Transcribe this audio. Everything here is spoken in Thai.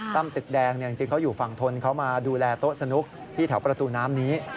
ตึกแดงจริงเขาอยู่ฝั่งทนเขามาดูแลโต๊ะสนุกที่แถวประตูน้ำนี้